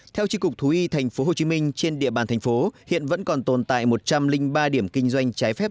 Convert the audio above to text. theo tri cục thú y tp hcm trên địa bàn thành phố hiện vẫn còn tồn tại một trăm linh ba điểm kinh doanh trái phép